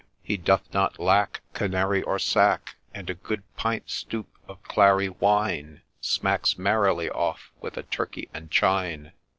He doth not lack Canary or sack ; And a good pint stoup of Clary wine Smacks merrily off with a turkey and chine